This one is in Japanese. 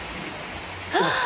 ああ！